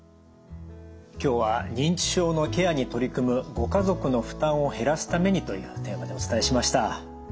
今日は認知症のケアに取り組むご家族の負担を減らすためにというテーマでお伝えしました。